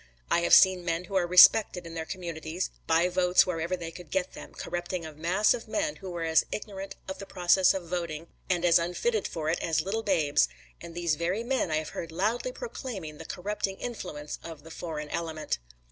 I have seen men who are respected in their communities, buy votes wherever they could get them, corrupting a mass of men who were as ignorant of the process of voting and as unfitted for it, as little babes; and these very men I have heard loudly proclaiming the corrupting influence of the foreign element.